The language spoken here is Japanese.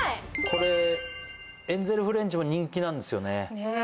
これエンゼルフレンチも人気なんですよね